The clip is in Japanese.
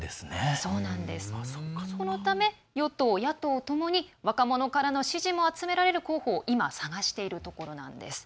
そのため、与党野党ともに若者からの支持も集められる候補を今、探しているところなんです。